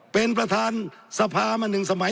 เป็นประธานสภามาหนึ่งสมัย